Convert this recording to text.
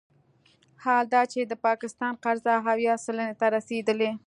حال دا چې د پاکستان قرضه اویا سلنې ته رسیدلې